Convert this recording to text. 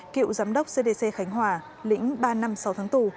cựu giám đốc cdc khánh hòa lĩnh ba năm sáu tháng tù